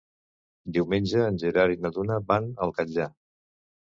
Diumenge en Gerard i na Duna van al Catllar.